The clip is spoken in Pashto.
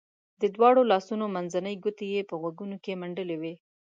دواړو لاسو منځنۍ ګوتې یې په غوږونو کې منډلې وې.